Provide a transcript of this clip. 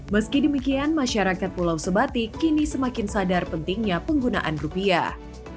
meski demikian masyarakat pulau sebatik kini semakin sadar pentingnya penggunaan rupiah